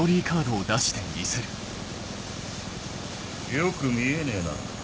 よく見えねえな